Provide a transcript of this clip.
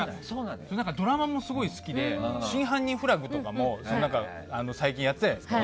ドラマもすごい好きで「真犯人フラグ」とかも最近やってたじゃないですか。